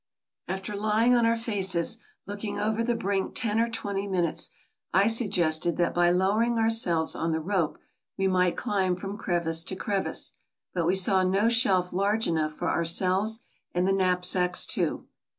After lying on our faces, looking over the brink ten or twenty minutes, I suggested that by lowering ourselves on the rope we might climb from crevice to crevice ; but we saw no shelf large enough for ourselves and the knapsacks too.